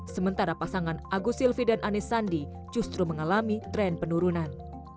sementara pasangan agus silvi dan anies sandi justru mengalami tren penurunan